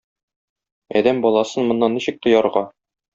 Адәм баласын моннан ничек тыярга?